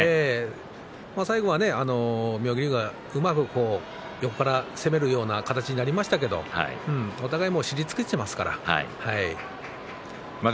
最後は妙義龍がうまく横から攻めるような形になりましたがお互い知り尽くしていますので。